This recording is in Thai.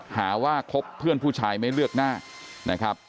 หาว่าคบเพื่อนผู้ชายไม่เลือกหน้านะครับ